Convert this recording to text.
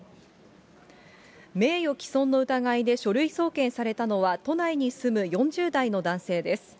名誉毀損の疑いで書類送検されたのは、都内に住む４０代の男性です。